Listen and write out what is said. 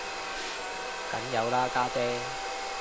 梗有啦家姐